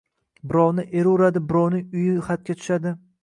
Birovni eri uradi, birovning uyi xatga tushadi